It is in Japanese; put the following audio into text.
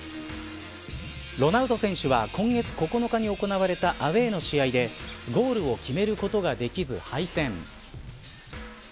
ロナウド選手は今月９日に行われたアウェーの試合でゴールを決めることができず敗戦。